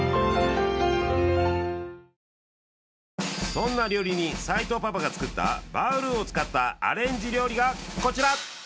そんな料理人斎藤パパが作ったバウルーを使ったアレンジ料理がこちら！